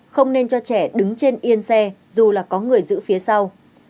không nên cho trẻ đứng trên yên xe dù là có người giữ phía sau